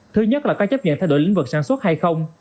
thứ nhất là có chấp nhận thay đổi lĩnh vực sản xuất hay không